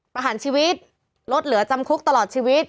ประหารชีวิตลดเหลือจำคุกตลอดชีวิต